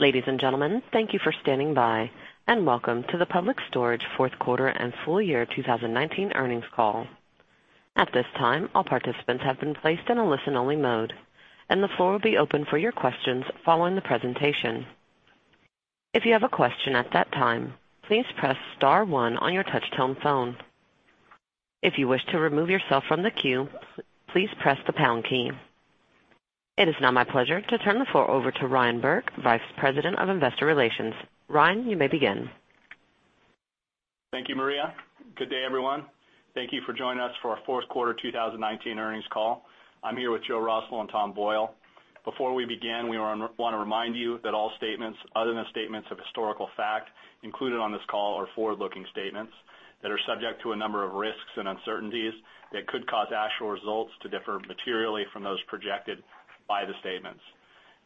Ladies and gentlemen, thank you for standing by, and welcome to the Public Storage Fourth Quarter and Full Year 2019 Earnings Call. At this time, all participants have been placed in a listen-only mode, and the floor will be open for your questions following the presentation. If you have a question at that time, please press star one on your touch-tone phone. If you wish to remove yourself from the queue, please press the pound key. It is now my pleasure to turn the floor over to Ryan Burke, Vice President of Investor Relations. Ryan, you may begin. Thank you, Maria. Good day, everyone. Thank you for joining us for our fourth quarter 2019 earnings call. I'm here with Joe Russell and Tom Boyle. Before we begin, we want to remind you that all statements other than statements of historical fact included on this call are forward-looking statements that are subject to a number of risks and uncertainties that could cause actual results to differ materially from those projected by the statements.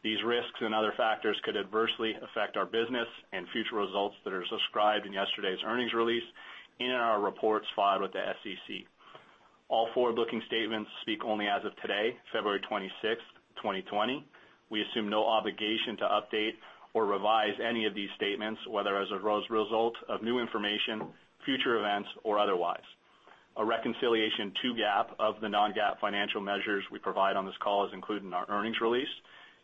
These risks and other factors could adversely affect our business and future results that are described in yesterday's earnings release, and in our reports filed with the SEC. All forward-looking statements speak only as of today, February 26th, 2020. We assume no obligation to update or revise any of these statements, whether as a result of new information, future events, or otherwise. A reconciliation to GAAP of the non-GAAP financial measures we provide on this call is included in our earnings release.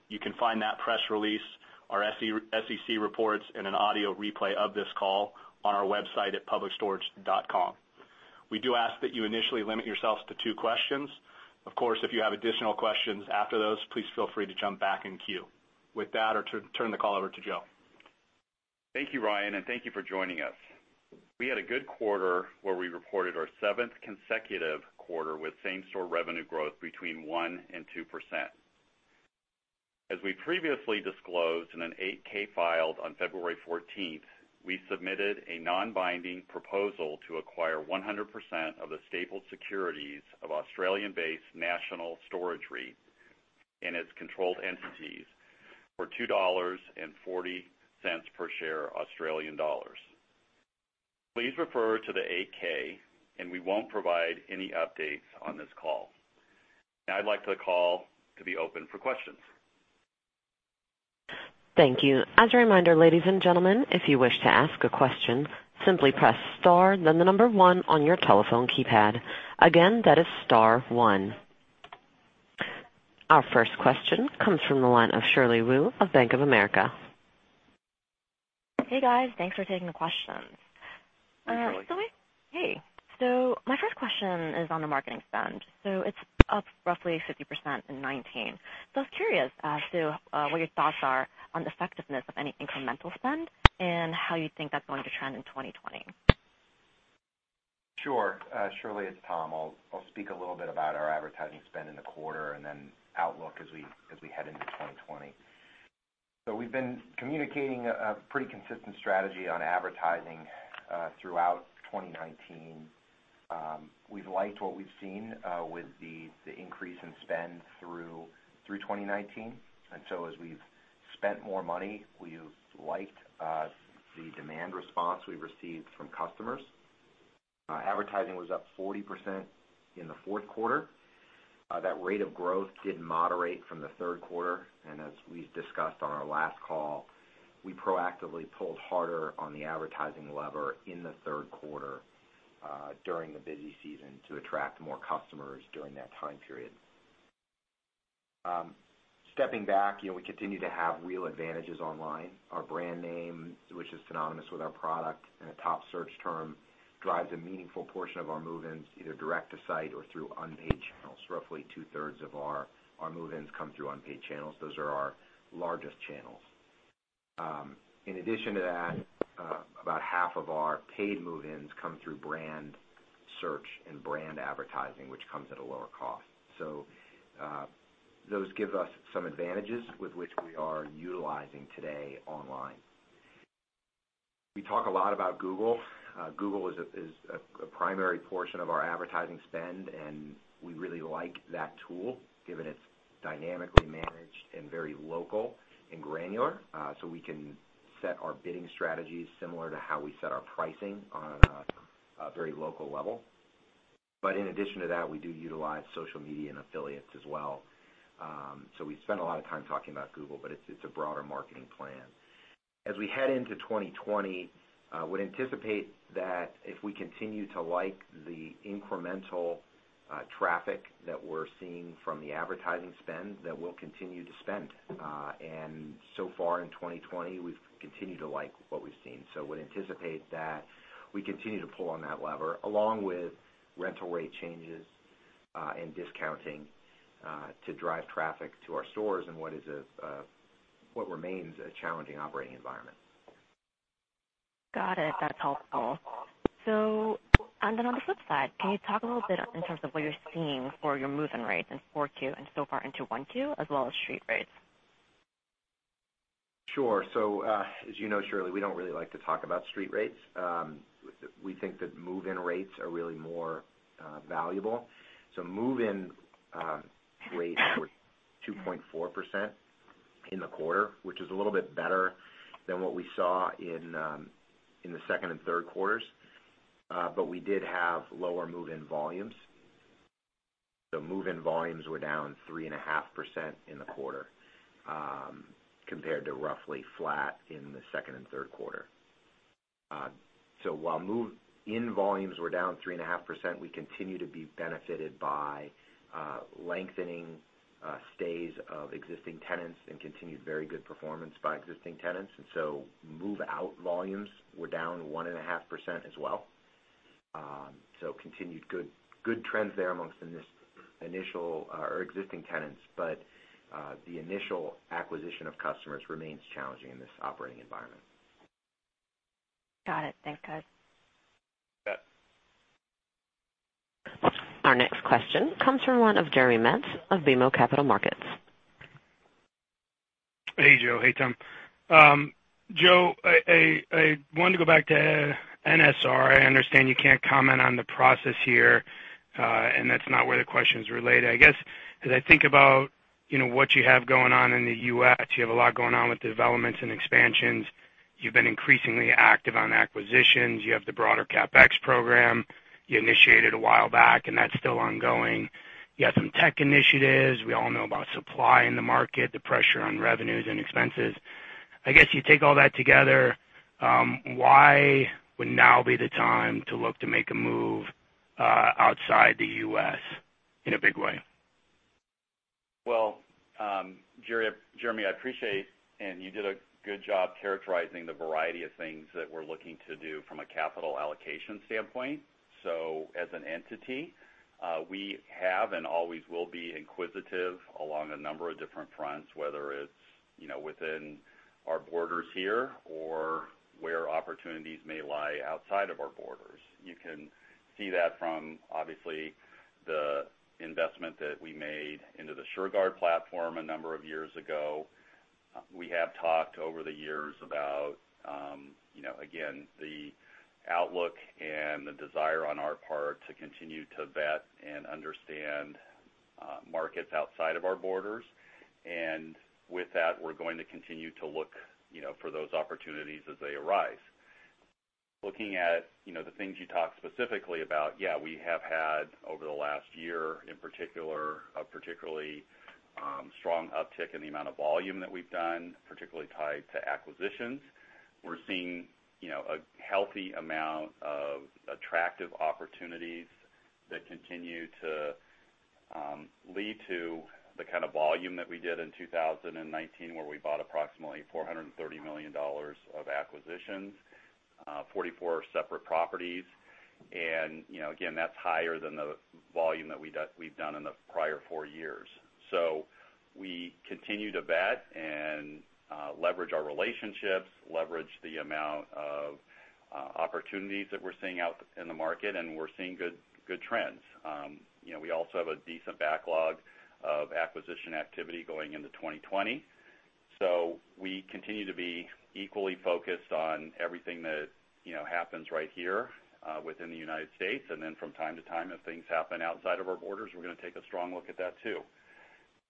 You can find that press release, our SEC reports, and an audio replay of this call on our website at publicstorage.com. We do ask that you initially limit yourselves to two questions. Of course, if you have additional questions after those, please feel free to jump back in queue. With that, I turn the call over to Joe. Thank you, Ryan, and thank you for joining us. We had a good quarter where we reported our seventh consecutive quarter with same-store revenue growth between 1% and 2%. We previously disclosed in an 8-K filed on February 14th, we submitted a non-binding proposal to acquire 100% of the stapled securities of Australian-based National Storage REIT and its controlled entities for 2.40 dollars per share. Please refer to the 8-K. We won't provide any updates on this call. I'd like the call to be open for questions. Thank you. As a reminder, ladies and gentlemen, if you wish to ask a question, simply press star then the number one on your telephone keypad. Again, that is star one. Our first question comes from the line of Shirley Wu of Bank of America. Hey, guys. Thanks for taking the questions. Hey, Shirley. Hey. My first question is on the marketing spend. It's up roughly 50% in 2019. I was curious as to what your thoughts are on the effectiveness of any incremental spend and how you think that's going to trend in 2020. Sure. Shirley, it's Tom. I'll speak a little bit about our advertising spend in the quarter and then outlook as we head into 2020. We've been communicating a pretty consistent strategy on advertising, throughout 2019. We've liked what we've seen, with the increase in spend through 2019. As we've spent more money, we've liked the demand response we've received from customers. Advertising was up 40% in the fourth quarter. That rate of growth did moderate from the third quarter, and as we've discussed on our last call, we proactively pulled harder on the advertising lever in the third quarter, during the busy season, to attract more customers during that time period. Stepping back, we continue to have real advantages online. Our brand name, which is synonymous with our product and a top search term, drives a meaningful portion of our move-ins, either direct to site or through unpaid channels. Roughly 2/3 of our move-ins come through unpaid channels. Those are our largest channels. In addition to that, about half of our paid move-ins come through brand search and brand advertising, which comes at a lower cost. Those give us some advantages with which we are utilizing today online. We talk a lot about Google. Google is a primary portion of our advertising spend, and we really like that tool, given it's dynamically managed and very local and granular. We can set our bidding strategies similar to how we set our pricing on a very local level. In addition to that, we do utilize social media and affiliates as well. We spend a lot of time talking about Google, but it's a broader marketing plan. As we head into 2020, I would anticipate that if we continue to like the incremental traffic that we're seeing from the advertising spend, that we'll continue to spend. So far in 2020, we've continued to like what we've seen. Would anticipate that we continue to pull on that lever, along with rental rate changes, and discounting, to drive traffic to our stores in what remains a challenging operating environment. Got it. That's helpful. On the flip side, can you talk a little bit in terms of what you're seeing for your move-in rates in 4Q and so far into 1Q, as well as street rates? Sure. As you know, Shirley, we don't really like to talk about street rates. We think that move-in rates are really more valuable. Move-in rates were 2.4% in the quarter, which is a little bit better than what we saw in the second and third quarters. We did have lower move-in volumes. The move-in volumes were down 3.5% in the quarter, compared to roughly flat in the second and third quarter. While move-in volumes were down 3.5%, we continue to be benefited by lengthening stays of existing tenants and continued very good performance by existing tenants. Move-out volumes were down 1.5% as well. Continued good trends there amongst existing tenants. The initial acquisition of customers remains challenging in this operating environment. Got it. Thanks, guys. You bet. Our next question comes from one of Jeremy Metz of BMO Capital Markets. Hey, Joe. Hey, Tom. Joe, I wanted to go back to NSR. I understand you can't comment on the process here, and that's not where the question's related. I guess, as I think about what you have going on in the U.S., you have a lot going on with developments and expansions. You've been increasingly active on acquisitions. You have the broader CapEx program you initiated a while back, and that's still ongoing. You have some tech initiatives. We all know about supply in the market, the pressure on revenues and expenses. I guess you take all that together, why would now be the time to look to make a move outside the U.S. in a big way? Well, Jeremy, I appreciate, and you did a good job characterizing the variety of things that we're looking to do from a capital allocation standpoint. As an entity, we have and always will be inquisitive along a number of different fronts, whether it's within our borders here or where opportunities may lie outside of our borders. You can see that from, obviously, the investment that we made into the Shurgard platform a number of years ago. We have talked over the years about, again, the outlook and the desire on our part to continue to vet and understand markets outside of our borders. With that, we're going to continue to look for those opportunities as they arise. Looking at the things you talked specifically about, yeah, we have had over the last year in particular, a particularly strong uptick in the amount of volume that we've done, particularly tied to acquisitions. We're seeing a healthy amount of attractive opportunities that continue to lead to the kind of volume that we did in 2019, where we bought approximately $430 million of acquisitions, 44 separate properties. Again, that's higher than the volume that we've done in the prior four years. We continue to vet and leverage our relationships, leverage the amount of opportunities that we're seeing out in the market, and we're seeing good trends. We also have a decent backlog of acquisition activity going into 2020. We continue to be equally focused on everything that happens right here within the U.S. Then from time to time, if things happen outside of our borders, we're going to take a strong look at that, too.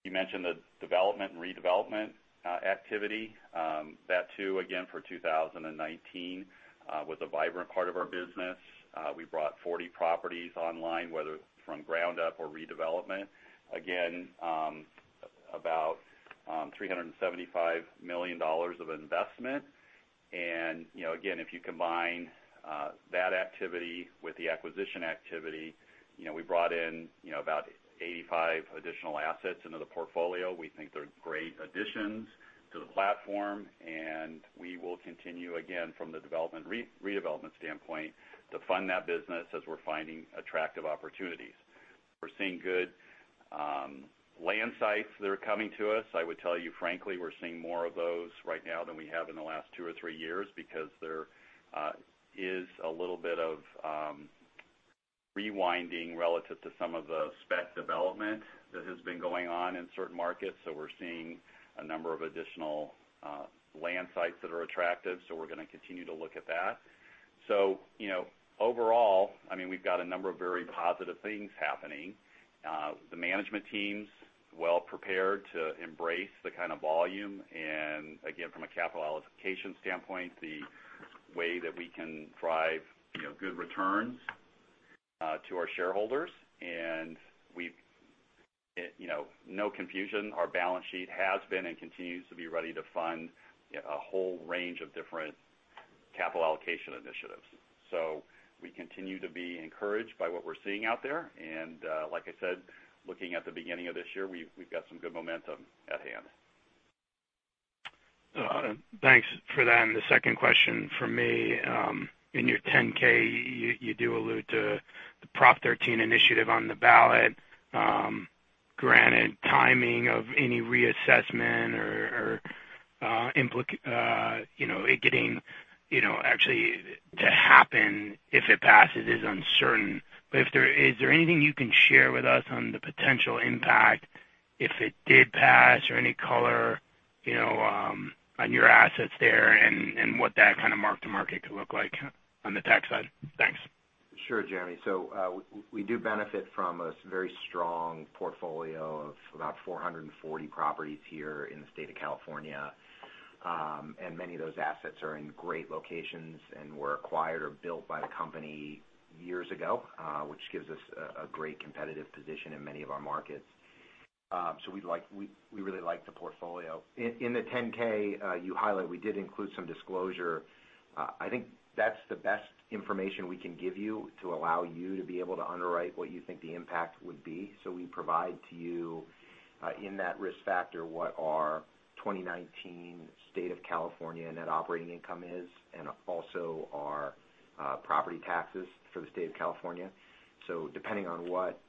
You mentioned the development and redevelopment activity. That too, again, for 2019, was a vibrant part of our business. We brought 40 properties online, whether from ground up or redevelopment. Again, about $375 million of investment. Again, if you combine that activity with the acquisition activity, we brought in about 85 additional assets into the portfolio. We think they're great additions to the platform, we will continue, again, from the redevelopment standpoint, to fund that business as we're finding attractive opportunities. We're seeing good land sites that are coming to us. I would tell you, frankly, we're seeing more of those right now than we have in the last two or three years because there is a little bit of rewinding relative to some of the spec development that has been going on in certain markets. We're seeing a number of additional land sites that are attractive. We're going to continue to look at that. Overall, we've got a number of very positive things happening. The management team's well prepared to embrace the kind of volume, and again, from a capital allocation standpoint, the way that we can drive good returns to our shareholders. No confusion, our balance sheet has been and continues to be ready to fund a whole range of different capital allocation initiatives. We continue to be encouraged by what we're seeing out there. Like I said, looking at the beginning of this year, we've got some good momentum at hand. Thanks for that. The second question from me, in your 10-K, you do allude to the Prop 13 initiative on the ballot. Granted, timing of any reassessment or it getting actually to happen if it passes is uncertain. Is there anything you can share with us on the potential impact if it did pass or any color on your assets there and what that kind of mark to market could look like on the tax side? Thanks. Sure, Jeremy. We do benefit from a very strong portfolio of about 440 properties here in the state of California. Many of those assets are in great locations and were acquired or built by the company years ago, which gives us a great competitive position in many of our markets. We really like the portfolio. In the 10-K you highlight, we did include some disclosure. I think that's the best information we can give you to allow you to be able to underwrite what you think the impact would be. We provide to you, in that risk factor, what our 2019 state of California net operating income is, and also our property taxes for the state of California. Depending on what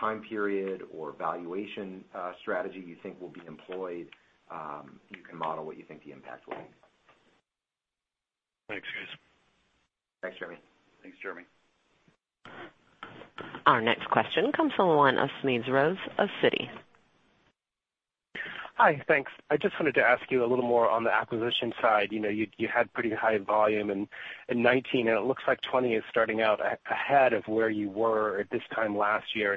time period or valuation strategy you think will be employed, you can model what you think the impact will be. Thanks, guys. Thanks, Jeremy. Thanks, Jeremy. Our next question comes from the line of Smedes Rose of Citi. Hi, thanks. I just wanted to ask you a little more on the acquisition side. You had pretty high volume in 2019, and it looks like 2020 is starting out ahead of where you were at this time last year.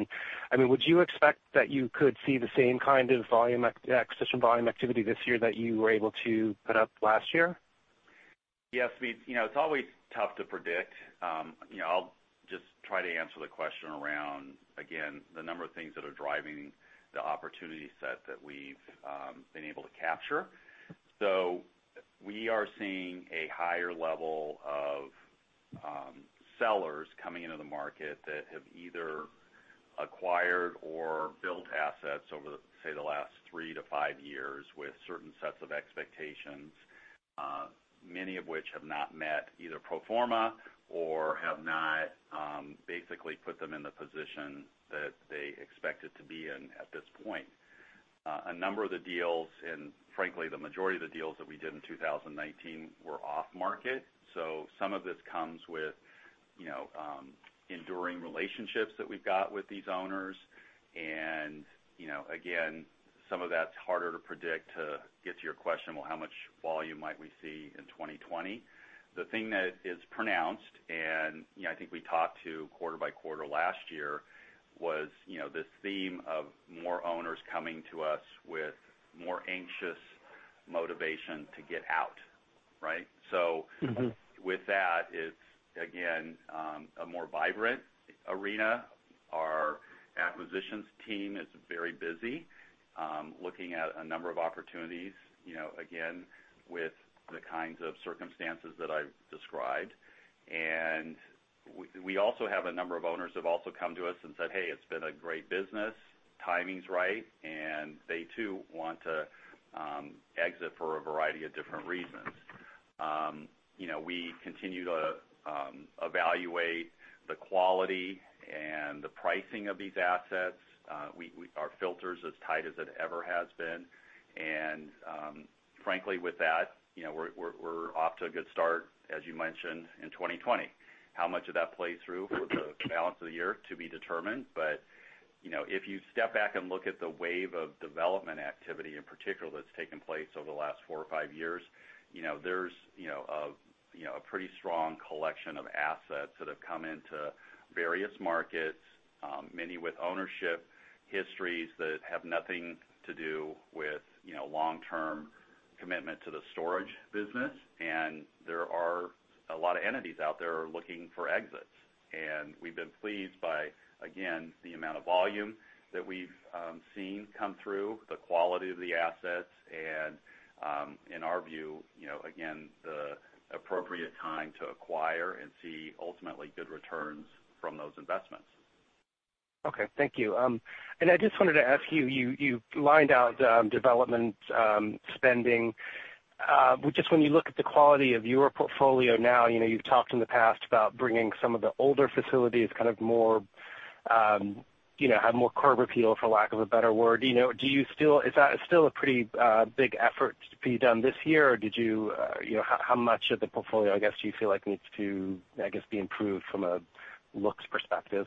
Would you expect that you could see the same kind of acquisition volume activity this year that you were able to put up last year? Yes, Smedes. It's always tough to predict. I'll just try to answer the question around, again, the number of things that are driving the opportunity set that we've been able to capture. We are seeing a higher level of sellers coming into the market that have either acquired or built assets over, say, the last three to five years with certain sets of expectations. Many of which have not met either pro forma or have not basically put them in the position that they expected to be in at this point. A number of the deals, and frankly, the majority of the deals that we did in 2019 were off-market. Some of this comes with enduring relationships that we've got with these owners. Again, some of that's harder to predict, to get to your question, well, how much volume might we see in 2020? The thing that is pronounced, I think we talked to quarter-by-quarter last year, was this theme of more owners coming to us with more anxious motivation to get out. Right? With that, it's again, a more vibrant arena. Our acquisitions team is very busy, looking at a number of opportunities, again, with the kinds of circumstances that I've described. We also have a number of owners have also come to us and said, "Hey, it's been a great business. Timing's right." They too want to exit for a variety of different reasons. We continue to evaluate the quality and the pricing of these assets. Our filter's as tight as it ever has been. Frankly, with that, we're off to a good start, as you mentioned, in 2020. How much of that plays through for the balance of the year, to be determined. If you step back and look at the wave of development activity in particular that's taken place over the last four or five years, there's a pretty strong collection of assets that have come into various markets. Many with ownership histories that have nothing to do with long-term commitment to the storage business. There are a lot of entities out there looking for exits. We've been pleased by, again, the amount of volume that we've seen come through, the quality of the assets, and, in our view, again, the appropriate time to acquire and see ultimately good returns from those investments. Okay. Thank you. I just wanted to ask you lined out development spending. Just when you look at the quality of your portfolio now, you've talked in the past about bringing some of the older facilities, have more curb appeal, for lack of a better word. Is that still a pretty big effort to be done this year? How much of the portfolio, I guess, do you feel like needs to be improved from a looks perspective?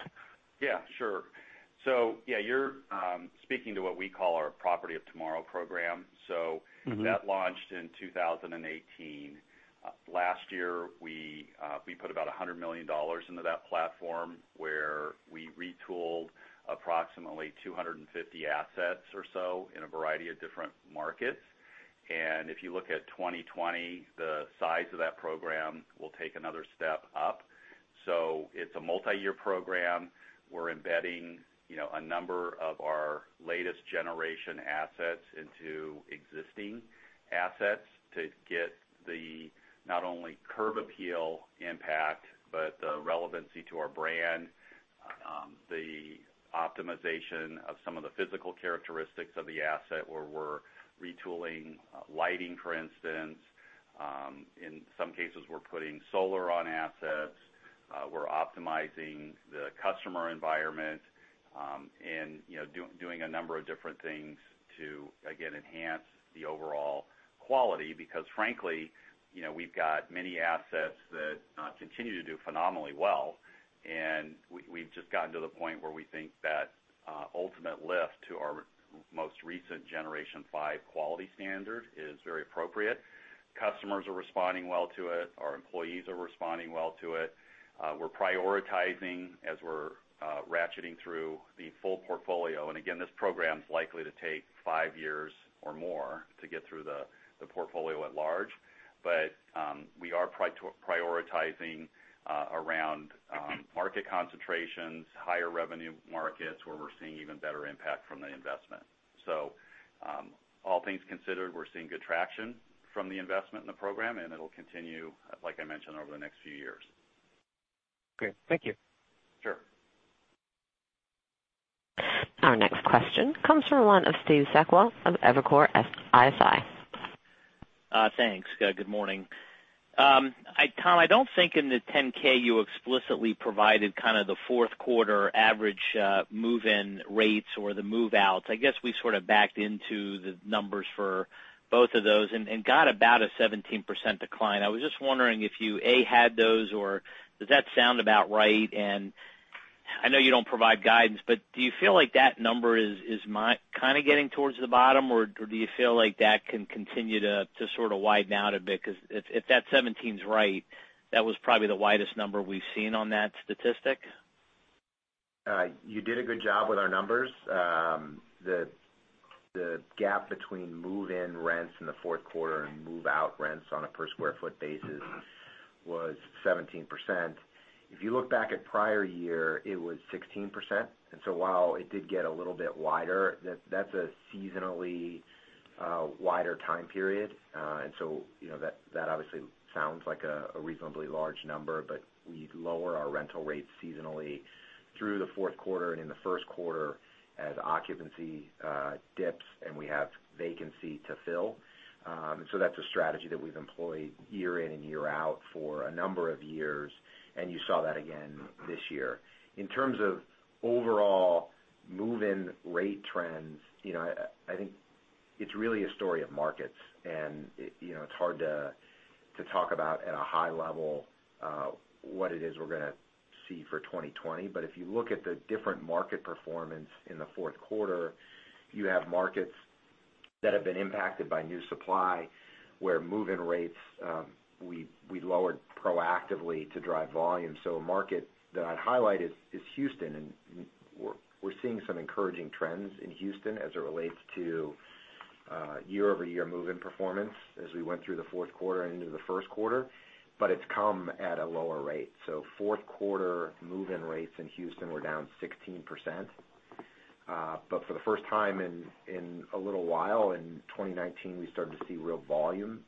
Yeah, sure. You're speaking to what we call our Property of Tomorrow program. That launched in 2018. Last year, we put about $100 million into that platform, where we retooled approximately 250 assets or so in a variety of different markets. If you look at 2020, the size of that program will take another step up. It's a multi-year program. We're embedding a number of our latest generation assets into existing assets to get the, not only curb appeal impact, but the relevancy to our brand, the optimization of some of the physical characteristics of the asset, where we're retooling lighting, for instance. In some cases, we're putting solar on assets. We're optimizing the customer environment, and doing a number of different things to, again, enhance the overall quality. Frankly, we've got many assets that continue to do phenomenally well, and we've just gotten to the point where we think that ultimate lift to our most recent Generation 5 quality standard is very appropriate. Customers are responding well to it. Our employees are responding well to it. We're prioritizing as we're ratcheting through the full portfolio. Again, this program is likely to take five years or more to get through the portfolio at large. We are prioritizing around market concentrations, higher revenue markets, where we're seeing even better impact from the investment. All things considered, we're seeing good traction from the investment in the program, and it'll continue, like I mentioned, over the next few years. Great. Thank you. Sure. Our next question comes from the line of Steve Sakwa of Evercore ISI. Thanks. Good morning. Tom, I don't think in the 10-K you explicitly provided the fourth quarter average move-in rates or the move-outs. I guess we sort of backed into the numbers for both of those and got about a 17% decline. I was just wondering if you, A, had those, or does that sound about right? I know you don't provide guidance, but do you feel like that number is getting towards the bottom, or do you feel like that can continue to sort of widen out a bit? Because if that 17% right, that was probably the widest number we've seen on that statistic. You did a good job with our numbers. The gap between move-in rents in the fourth quarter and move-out rents on a per square foot basis was 17%. If you look back at prior year, it was 16%. While it did get a little bit wider, that's a seasonally wider time period. That obviously sounds like a reasonably large number, but we lower our rental rates seasonally through the fourth quarter and in the first quarter as occupancy dips, and we have vacancy to fill. That's a strategy that we've employed year in and year out for a number of years, and you saw that again this year. In terms of overall move-in rate trends, I think it's really a story of markets, and it's hard to talk about at a high level what it is we're going to see for 2020. If you look at the different market performance in the fourth quarter, you have markets that have been impacted by new supply, where move-in rates, we lowered proactively to drive volume. A market that I'd highlight is Houston, and we're seeing some encouraging trends in Houston as it relates to year-over-year move-in performance as we went through the fourth quarter and into the first quarter. It's come at a lower rate. Fourth quarter move-in rates in Houston were down 16%. For the first time in a little while, in 2019, we started to see real volume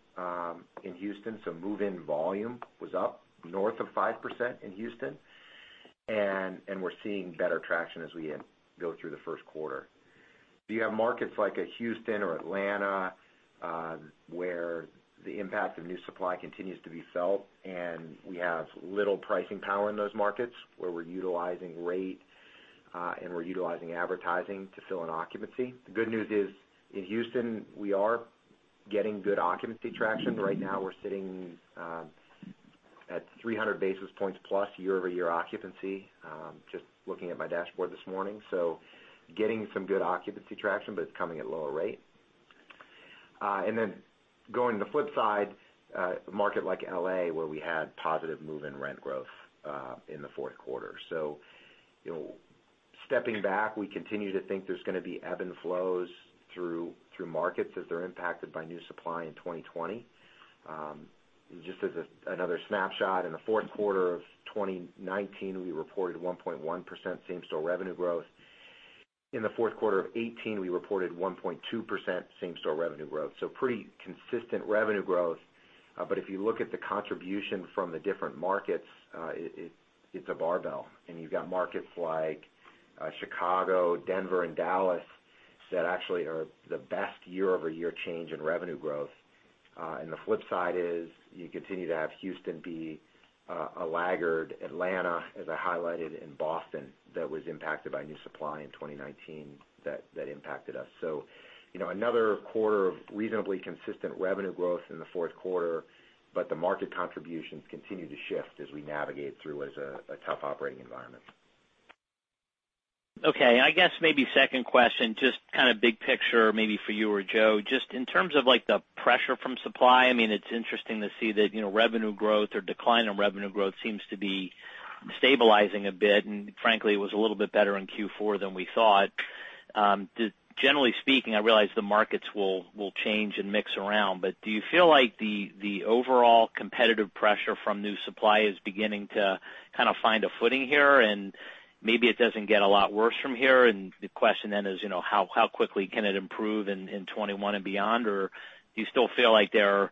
in Houston. Move-in volume was up north of 5% in Houston, and we're seeing better traction as we go through the first quarter. You have markets like a Houston or Atlanta, where the impact of new supply continues to be felt, and we have little pricing power in those markets, where we're utilizing rate, and we're utilizing advertising to fill in occupancy. The good news is, in Houston, we are getting good occupancy traction. Right now, we're sitting at 300 basis points plus year-over-year occupancy, just looking at my dashboard this morning. Getting some good occupancy traction, but it's coming at a lower rate. Going to the flip side, a market like L.A., where we had positive move-in rent growth in the fourth quarter. Stepping back, we continue to think there's going to be ebb and flows through markets as they're impacted by new supply in 2020. Just as another snapshot, in the fourth quarter of 2019, we reported 1.1% same-store revenue growth. In the fourth quarter of 2018, we reported 1.2% same-store revenue growth. Pretty consistent revenue growth. If you look at the contribution from the different markets, it's a barbell, and you've got markets like Chicago, Denver, and Dallas that actually are the best year-over-year change in revenue growth. The flip side is you continue to have Houston be a laggard, Atlanta, as I highlighted, and Boston, that was impacted by new supply in 2019, that impacted us. Another quarter of reasonably consistent revenue growth in the fourth quarter, but the market contributions continue to shift as we navigate through what is a tough operating environment. Okay. I guess maybe second question, just kind of big picture maybe for you or Joe. Just in terms of the pressure from supply, it's interesting to see that revenue growth or decline in revenue growth seems to be stabilizing a bit, and frankly, it was a little bit better in Q4 than we thought. Generally speaking, I realize the markets will change and mix around, but do you feel like the overall competitive pressure from new supply is beginning to kind of find a footing here, and maybe it doesn't get a lot worse from here? The question then is, how quickly can it improve in 2021 and beyond? Do you still feel like there are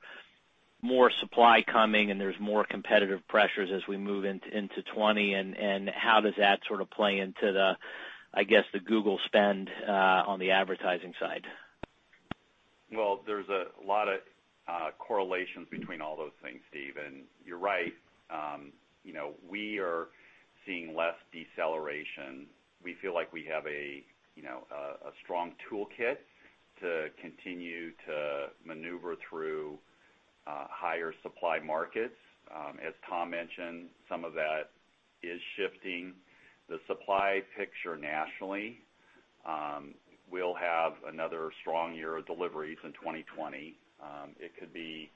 more supply coming, and there's more competitive pressures as we move into 2020, How does that sort of play into the, I guess, the Google spend on the advertising side? Well, there's a lot of correlations between all those things, Steve. You're right. We are seeing less deceleration. We feel like we have a strong toolkit to continue to maneuver through higher supply markets. As Tom mentioned, some of that is shifting. The supply picture nationally. We'll have another strong year of deliveries in 2020. It could be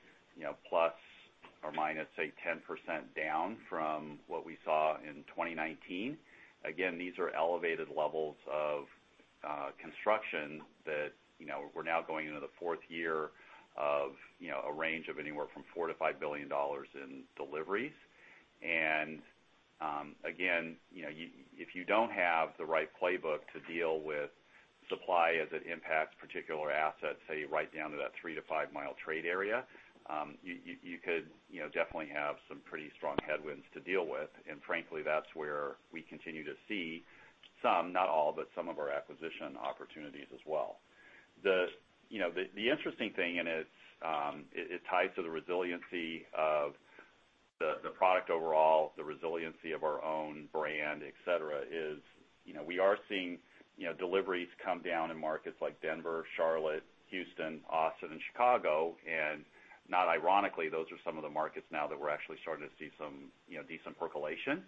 ±10% down from what we saw in 2019. Again, these are elevated levels of construction that we're now going into the fourth year of a range of anywhere from $4 billion-$5 billion in deliveries. Again, if you don't have the right playbook to deal with supply as it impacts particular assets, say, right down to that 3 mi-5 mi trade area, you could definitely have some pretty strong headwinds to deal with. Frankly, that's where we continue to see some, not all, but some of our acquisition opportunities as well. The interesting thing, and it's tied to the resiliency of the product overall, the resiliency of our own brand, et cetera, is we are seeing deliveries come down in markets like Denver, Charlotte, Houston, Austin, and Chicago, and not ironically, those are some of the markets now that we're actually starting to see some decent percolation,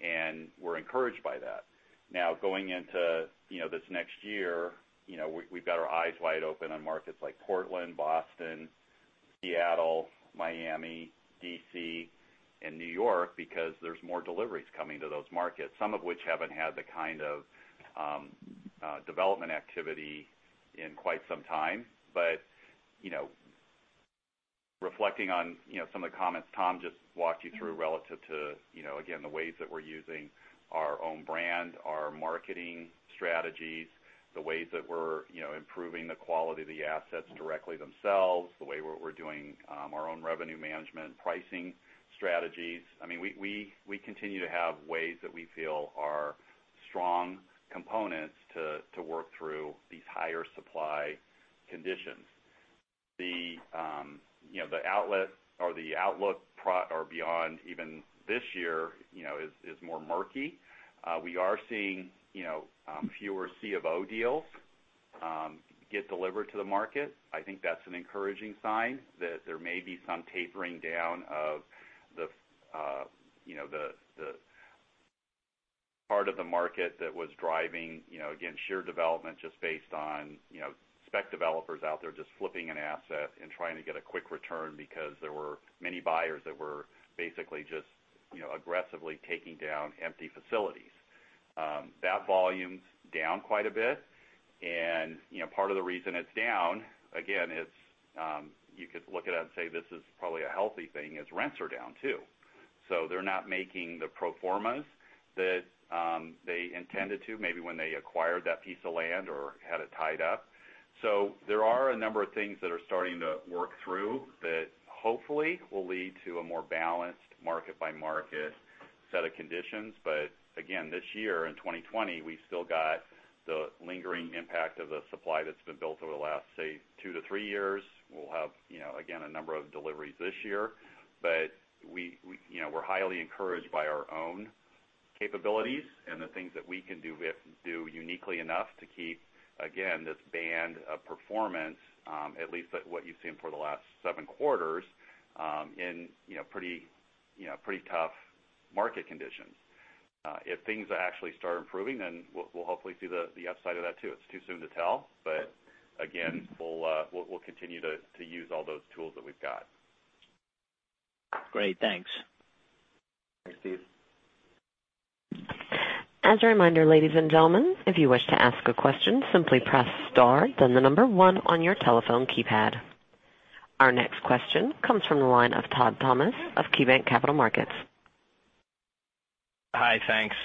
and we're encouraged by that. Going into this next year, we've got our eyes wide open on markets like Portland, Boston, Seattle, Miami, D.C., and New York, because there's more deliveries coming to those markets, some of which haven't had the kind of development activity in quite some time. Reflecting on some of the comments Tom just walked you through relative to, again, the ways that we're using our own brand, our marketing strategies, the ways that we're improving the quality of the assets directly themselves, the way we're doing our own revenue management pricing strategies. We continue to have ways that we feel are strong components to work through these higher supply conditions. The outlook beyond even this year is more murky. We are seeing fewer Certificate of Occupancy deals get delivered to the market. I think that's an encouraging sign that there may be some tapering down of the part of the market that was driving, again, sheer development just based on spec developers out there just flipping an asset and trying to get a quick return because there were many buyers that were basically just aggressively taking down empty facilities. That volume's down quite a bit, and part of the reason it's down, again, you could look at it and say, this is probably a healthy thing, is rents are down, too. They're not making the pro formas that they intended to, maybe when they acquired that piece of land or had it tied up. There are a number of things that are starting to work through that hopefully will lead to a more balanced market-by-market set of conditions. Again, this year, in 2020, we've still got the lingering impact of the supply that's been built over the last, say, two to three years. We'll have, again, a number of deliveries this year. We're highly encouraged by our own capabilities and the things that we can do uniquely enough to keep, again, this band of performance, at least at what you've seen for the last seven quarters, in pretty tough market conditions. If things actually start improving, then we'll hopefully see the upside of that, too. It's too soon to tell, but again, we'll continue to use all those tools that we've got. Great. Thanks. Thanks, Steve. As a reminder, ladies and gentlemen, if you wish to ask a question, simply press star then the number one on your telephone keypad. Our next question comes from the line of Todd Thomas of KeyBanc Capital Markets. Hi. Thanks.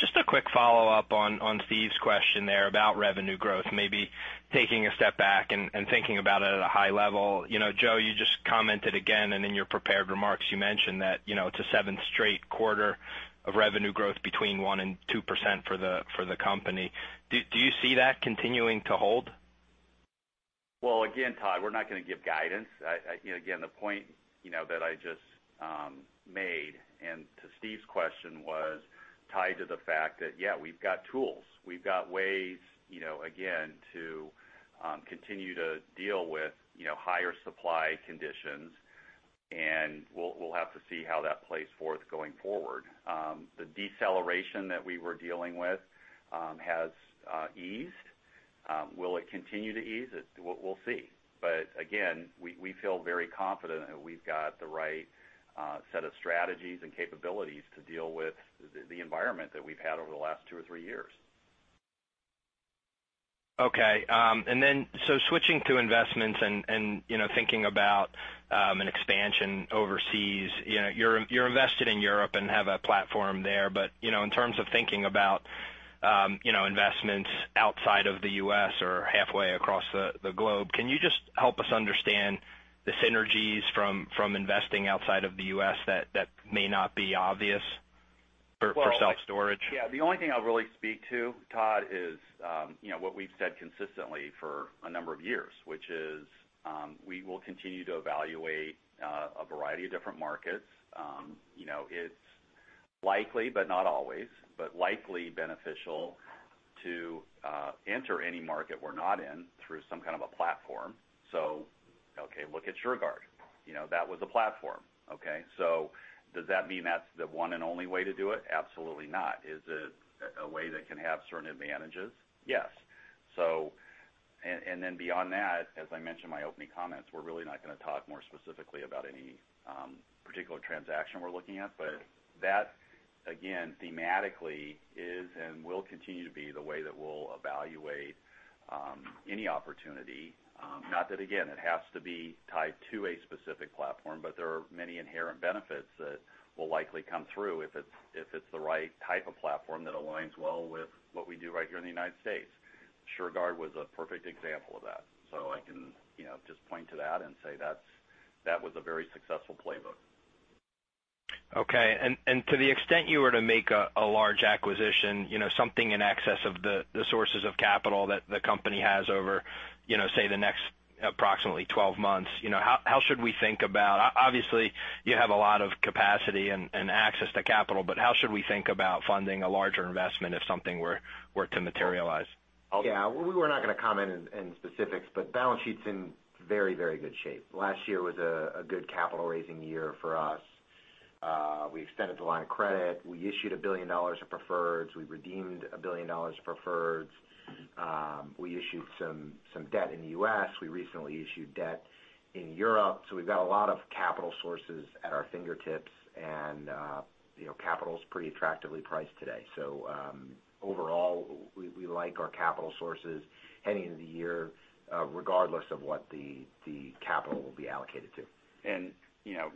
Just a quick follow-up on Steve's question there about revenue growth, maybe taking a step back and thinking about it at a high level. Joe, you just commented again, and in your prepared remarks, you mentioned that it's a seventh straight quarter of revenue growth between 1% and 2% for the company. Do you see that continuing to hold? Well, again, Todd, we're not going to give guidance. The point that I just made, and to Steve's question, was tied to the fact that, yeah, we've got tools. We've got ways, again, to continue to deal with higher supply conditions, and we'll have to see how that plays forth going forward. The deceleration that we were dealing with has eased. Will it continue to ease? We'll see. Again, we feel very confident that we've got the right set of strategies and capabilities to deal with the environment that we've had over the last two or three years. Okay. Switching to investments and thinking about an expansion overseas. You're invested in Europe and have a platform there. But in terms of thinking about investments outside of the U.S. or halfway across the globe, can you just help us understand the synergies from investing outside of the U.S. that may not be obvious for self-storage? Yeah. The only thing I'll really speak to, Todd, is what we've said consistently for a number of years, which is we will continue to evaluate a variety of different markets. It's likely, but not always, but likely beneficial to enter any market we're not in through some kind of a platform. Okay, look at Shurgard. That was a platform. Does that mean that's the one and only way to do it? Absolutely not. Is it a way that can have certain advantages? Yes. Beyond that, as I mentioned in my opening comments, we're really not going to talk more specifically about any particular transaction we're looking at. That, again, thematically is and will continue to be the way that we'll evaluate any opportunity. Not that, again, it has to be tied to a specific platform, but there are many inherent benefits that will likely come through if it's the right type of platform that aligns well with what we do right here in the United States. Shurgard was a perfect example of that. I can just point to that and say that was a very successful playbook. Okay. To the extent you were to make a large acquisition, something in excess of the sources of capital that the company has over, say, the next approximately 12 months, obviously, you have a lot of capacity and access to capital, but how should we think about funding a larger investment if something were to materialize? Well, we were not going to comment in specifics, but balance sheet's in very, very good shape. Last year was a good capital-raising year for us. We extended the line of credit. We issued a billion dollars of preferreds. We redeemed a billion dollars of preferreds. We issued some debt in the U.S. We recently issued debt in Europe. We've got a lot of capital sources at our fingertips, and capital's pretty attractively priced today. Overall, we like our capital sources heading into the year, regardless of what the capital will be allocated to.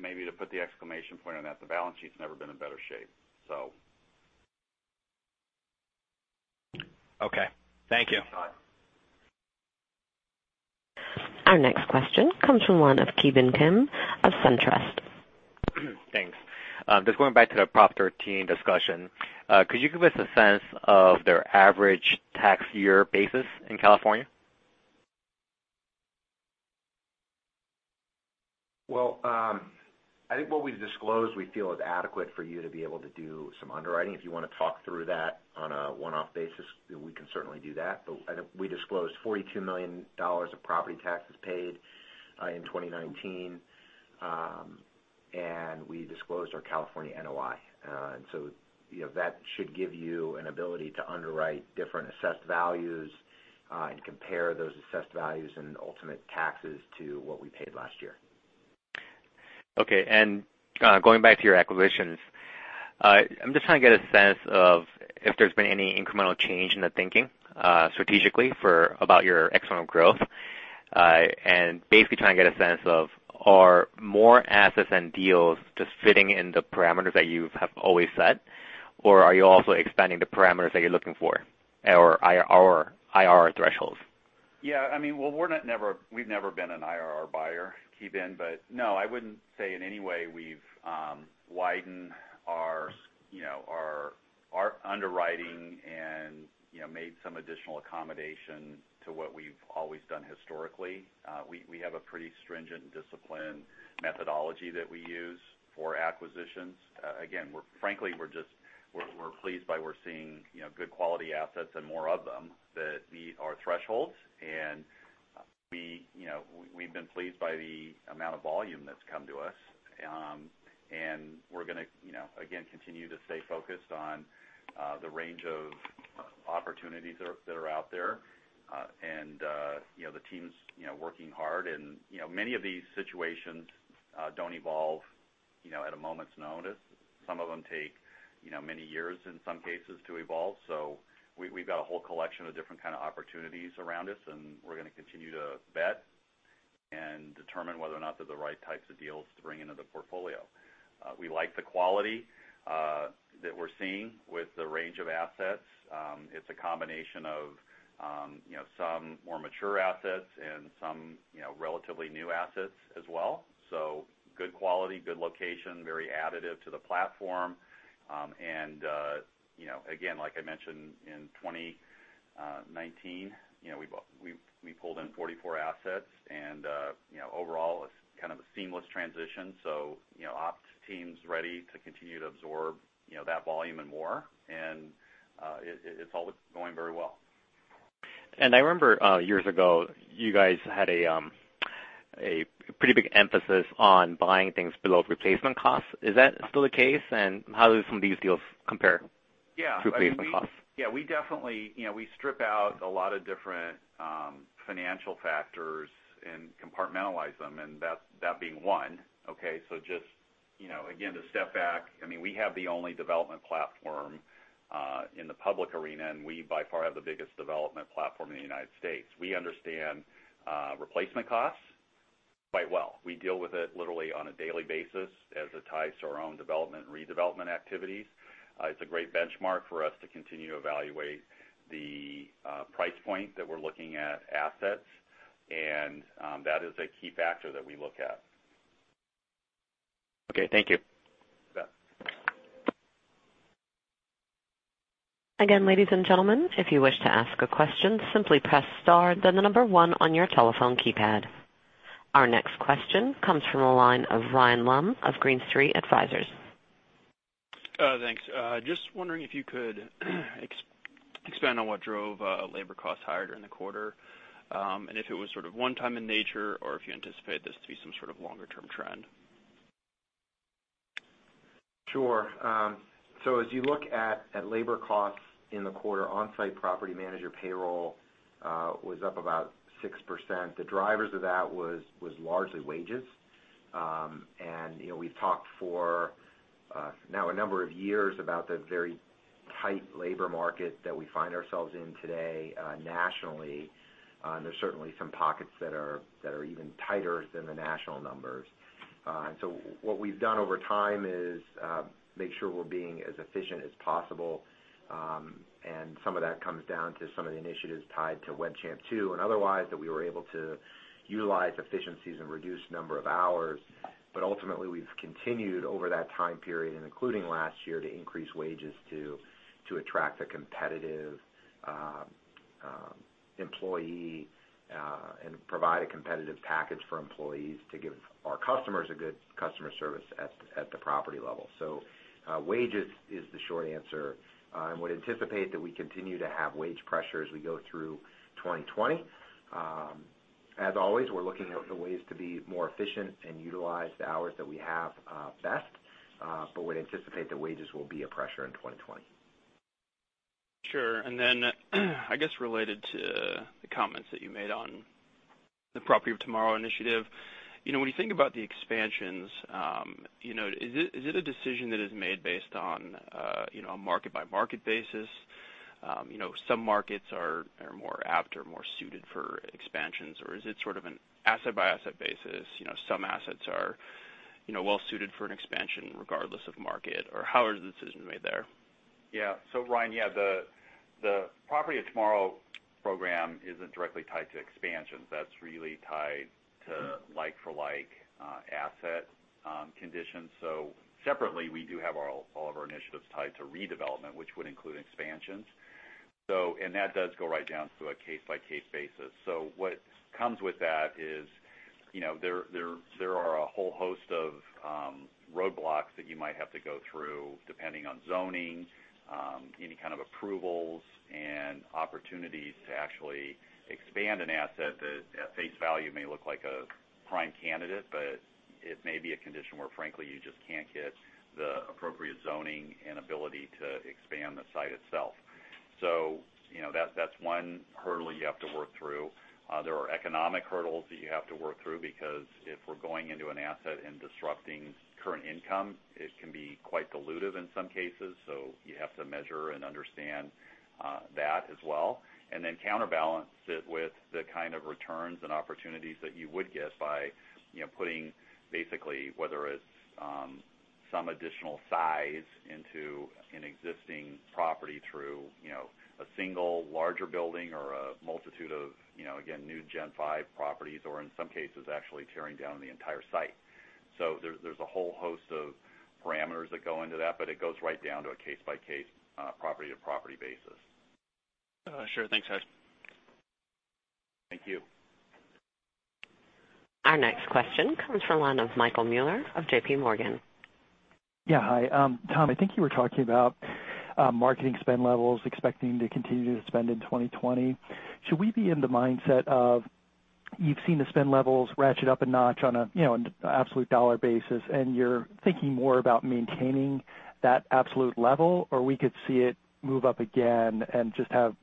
Maybe to put the exclamation point on that, the balance sheet's never been in better shape. Okay. Thank you. Our next question comes from the line of Ki Bin Kim of SunTrust. Thanks. Just going back to the Prop 13 discussion, could you give us a sense of their average tax year basis in California? Well, I think what we've disclosed, we feel is adequate for you to be able to do some underwriting. If you want to talk through that on a one-off basis, we can certainly do that. We disclosed $42 million of property taxes paid in 2019. We disclosed our California NOI. That should give you an ability to underwrite different assessed values, and compare those assessed values and ultimate taxes to what we paid last year. Okay. Going back to your acquisitions, I'm just trying to get a sense of if there's been any incremental change in the thinking, strategically, for about your external growth. Basically, trying to get a sense of, are more assets and deals just fitting in the parameters that you have always set, or are you also expanding the parameters that you're looking for, or IRR thresholds? Yeah. We've never been an IRR buyer, Ki Bin. No, I wouldn't say in any way we've widened our underwriting and made some additional accommodation to what we've always done historically. We have a pretty stringent discipline methodology that we use for acquisitions. Again, frankly, we're pleased by we're seeing good quality assets and more of them that meet our thresholds. We've been pleased by the amount of volume that's come to us. We're going to, again, continue to stay focused on the range of opportunities that are out there. The team's working hard and many of these situations don't evolve at a moment's notice. Some of them take many years in some cases to evolve. We've got a whole collection of different kind of opportunities around us, and we're going to continue to vet and determine whether or not they're the right types of deals to bring into the portfolio. We like the quality that we're seeing with the range of assets. It's a combination of some more mature assets and some relatively new assets as well. Good quality, good location, very additive to the platform. Again, like I mentioned in 2019, we pulled in 44 assets and overall it's kind of a seamless transition. Ops team's ready to continue to absorb that volume and more, and it's all going very well. I remember, years ago, you guys had a pretty big emphasis on buying things below replacement costs. Is that still the case? How do some of these deals compare? Yeah to replacement costs? Yeah. We strip out a lot of different financial factors and compartmentalize them, and that being one. Okay, just, again, to step back, we have the only development platform in the public arena, and we by far have the biggest development platform in the United States. We understand replacement costs quite well. We deal with it literally on a daily basis as it ties to our own development and redevelopment activities. It's a great benchmark for us to continue to evaluate the price point that we're looking at assets. That is a key factor that we look at. Okay. Thank you. You bet. Again, ladies and gentlemen, if you wish to ask a question, simply press star, then the number one on your telephone keypad. Our next question comes from the line of Ryan Lumb of Green Street Advisors. Thanks. Just wondering if you could expand on what drove labor costs higher during the quarter, and if it was sort of one time in nature, or if you anticipate this to be some sort of longer-term trend? Sure. As you look at labor costs in the quarter, onsite property manager payroll was up about 6%. The drivers of that was largely wages. We've talked for now a number of years about the very tight labor market that we find ourselves in today nationally. There's certainly some pockets that are even tighter than the national numbers. What we've done over time is make sure we're being as efficient as possible, and some of that comes down to some of the initiatives tied to WebChamp 2.0, and otherwise, that we were able to utilize efficiencies and reduce number of hours. Ultimately, we've continued over that time period, and including last year, to increase wages to attract a competitive employee, and provide a competitive package for employees to give our customers a good customer service at the property level. Wages is the short answer. Would anticipate that we continue to have wage pressure as we go through 2020. As always, we're looking at the ways to be more efficient and utilize the hours that we have best, but would anticipate that wages will be a pressure in 2020. Sure. I guess related to the comments that you made on the Property of Tomorrow initiative. When you think about the expansions, is it a decision that is made based on a market-by-market basis? Some markets are more apt or more suited for expansions, or is it sort of an asset-by-asset basis? Some assets are well-suited for an expansion regardless of market, or how are the decisions made there? Ryan, the Property of Tomorrow program isn't directly tied to expansions. That's really tied to like-for-like asset conditions. Separately, we do have all of our initiatives tied to redevelopment, which would include expansions. That does go right down to a case-by-case basis. What comes with that is there are a whole host of roadblocks that you might have to go through, depending on zoning, any kind of approvals, and opportunities to actually expand an asset that at face value may look like a prime candidate, but it may be a condition where, frankly, you just can't get the appropriate zoning and ability to expand the site itself. That's one hurdle you have to work through. There are economic hurdles that you have to work through, because if we're going into an asset and disrupting current income, it can be quite dilutive in some cases. You have to measure and understand that as well. Counterbalance it with the kind of returns and opportunities that you would get by putting basically, whether it's some additional size into an existing property through a single larger building or a multitude of, again, new Gen 5 properties, or in some cases, actually tearing down the entire site. There's a whole host of parameters that go into that, but it goes right down to a case-by-case, property-to-property basis. Sure. Thanks, Tom. Thank you. Our next question comes from the line of Michael Mueller of J.P. Morgan. Yeah. Hi. Tom, I think you were talking about marketing spend levels, expecting to continue to spend in 2020. Should we be in the mindset of you've seen the spend levels ratchet up a notch on an absolute dollar basis, and you're thinking more about maintaining that absolute level? Or we could see it move up again and just have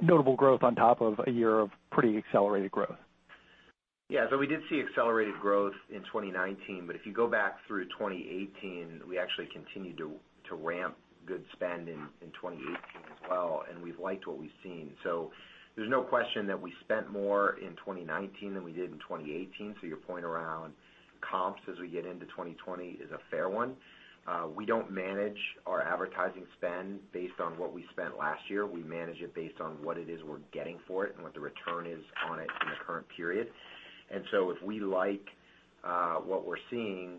notable growth on top of a year of pretty accelerated growth? Yeah. We did see accelerated growth in 2019, but if you go back through 2018, we actually continued to ramp good spend in 2018 as well, and we've liked what we've seen. There's no question that we spent more in 2019 than we did in 2018, so your point around comps as we get into 2020 is a fair one. We don't manage our advertising spend based on what we spent last year. We manage it based on what it is we're getting for it and what the return is on it in the current period. If we like what we're seeing,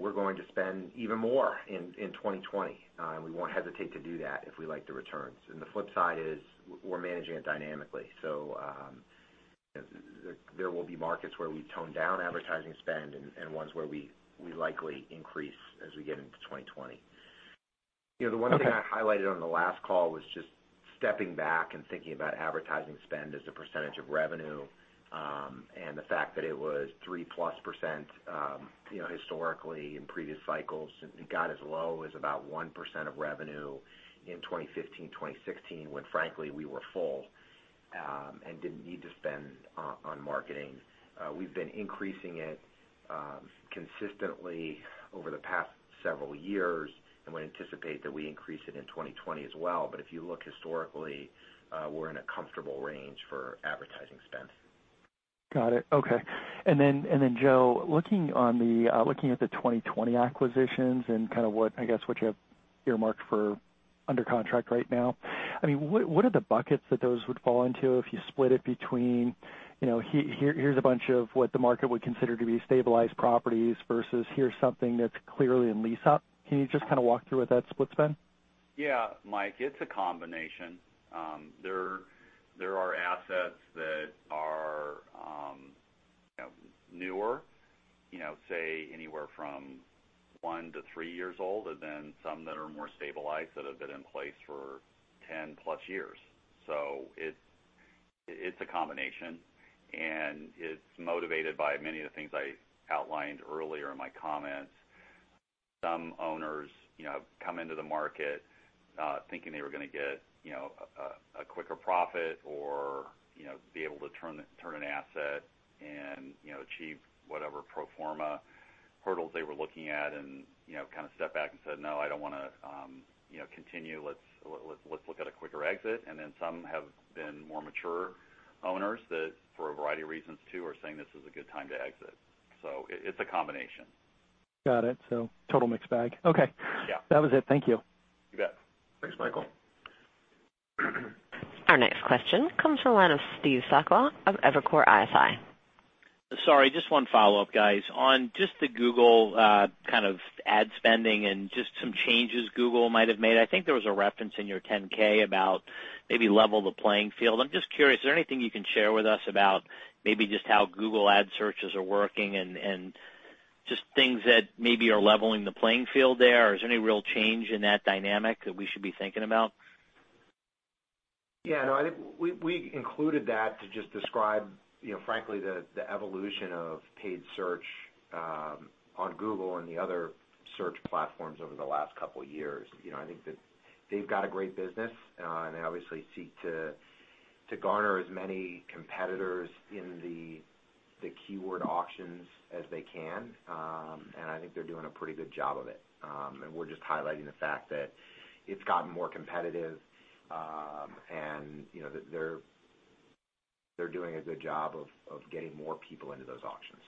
we're going to spend even more in 2020. We won't hesitate to do that if we like the returns. The flip side is, we're managing it dynamically. There will be markets where we tone down advertising spend and ones where we likely increase as we get into 2020. Okay. The one thing I highlighted on the last call was just stepping back and thinking about advertising spend as a percentage of revenue, and the fact that it was 3%+ historically in previous cycles. It got as low as about 1% of revenue in 2015, 2016, when frankly, we were full and didn't need to spend on marketing. We've been increasing it consistently over the past several years, and we anticipate that we increase it in 2020 as well. If you look historically, we're in a comfortable range for advertising spend. Got it. Okay. Then, Joe, looking at the 2020 acquisitions and what you have earmarked for under contract right now, what are the buckets that those would fall into if you split it between, here's a bunch of what the market would consider to be stabilized properties versus here's something that's clearly in lease up? Can you just kind of walk through what that split's been? Yeah, Mike. It's a combination. There are assets that are newer, say anywhere from one to three years old, and then some that are more stabilized that have been in place for 10-plus years. It's a combination, and it's motivated by many of the things I outlined earlier in my comments. Some owners come into the market thinking they were going to get a quicker profit or be able to turn an asset and achieve whatever pro forma hurdles they were looking at and kind of stepped back and said, "No, I don't want to continue. Let's look at a quicker exit." Some have been more mature owners that, for a variety of reasons too, are saying this is a good time to exit. It's a combination. Got it. Total mixed bag. Okay. Yeah. That was it. Thank you. You bet. Thanks, Michael. Our next question comes from the line of Steve Sakwa of Evercore ISI. Sorry, just one follow-up, guys. On just the Google kind of ad spending and just some changes Google might have made. I think there was a reference in your 10-K about maybe level the playing field. I'm just curious, is there anything you can share with us about maybe just how Google Ad searches are working and just things that maybe are leveling the playing field there? Is there any real change in that dynamic that we should be thinking about? Yeah, no, I think we included that to just describe frankly the evolution of paid search on Google and the other search platforms over the last couple of years. I think that they've got a great business, and they obviously seek to garner as many competitors in the keyword auctions as they can. I think they're doing a pretty good job of it. We're just highlighting the fact that it's gotten more competitive, and that they're doing a good job of getting more people into those auctions.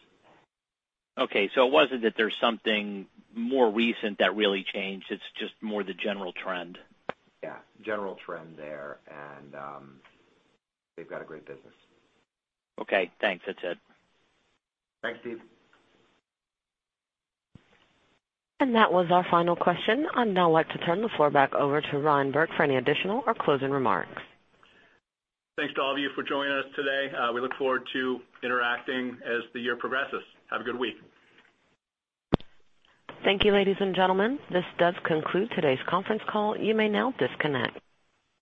Okay, it wasn't that there's something more recent that really changed. It's just more the general trend. Yeah. General trend there, and they've got a great business. Okay, thanks. That's it. Thanks, Steve. That was our final question. I'd now like to turn the floor back over to Ryan Burke for any additional or closing remarks. Thanks to all of you for joining us today. We look forward to interacting as the year progresses. Have a good week. Thank you, ladies and gentlemen. This does conclude today's conference call. You may now disconnect.